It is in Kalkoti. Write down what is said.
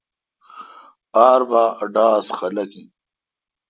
آر بھا ا ڈاس خلق این۔